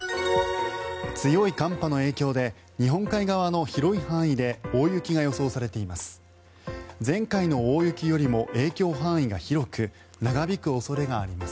強い寒波の影響で日本海側の広い範囲で大雪が予想されています。